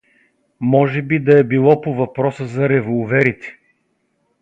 Може би да е било по въпроса за револверите.